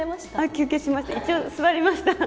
休憩しました、一応座りました。